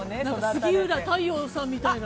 ◆杉浦太陽さんみたいな。